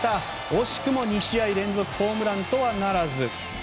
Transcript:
惜しくも２試合連続ホームランとはならず。